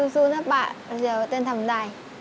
สู้นะป่ะเดี๋ยวเต้นทำได้